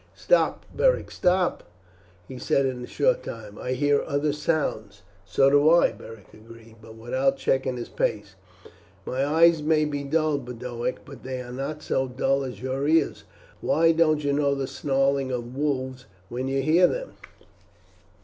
"Stop, Beric, stop!" he said in a short time, "I hear other sounds." "So do I," Beric agreed, but without checking his pace. "My eyes may be dull, Boduoc, but they are not so dull as your ears. Why, don't you know the snarling of wolves when you hear them?"